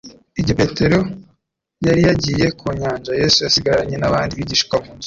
Igihe Petero yari yagiye ku nyanja, Yesu asigaranye n'abandi bigishwa mu nzu,